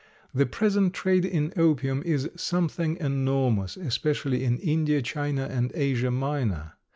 The present trade in opium is something enormous, especially in India, China, and Asia Minor.